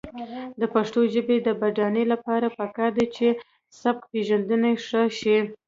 د پښتو ژبې د بډاینې لپاره پکار ده چې سبکپېژندنه ښه شي.